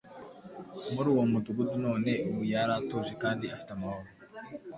muri uwo mudugudu none ubu yari atuje kandi afite amahoro.